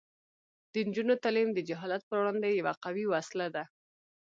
د نجونو تعلیم د جهالت پر وړاندې یوه قوي وسله ده.